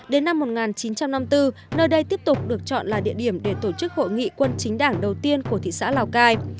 đến năm một nghìn chín trăm năm mươi bốn nơi đây tiếp tục được chọn là địa điểm để tổ chức hội nghị quân chính đảng đầu tiên của thị xã lào cai